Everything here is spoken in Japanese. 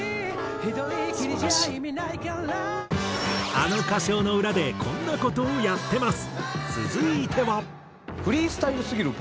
あの歌唱の裏でこんな事をやってます。